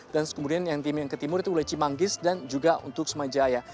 dan kemudian tim yang ke timur itu wilayah cimanggis dan juga untuk semajaya